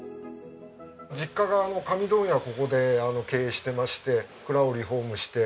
実家が紙問屋をここで経営していまして蔵をリフォームして。